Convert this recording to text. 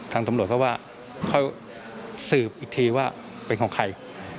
ทางตำรวจก็ว่าค่อยสืบอีกทีว่าเป็นของใคร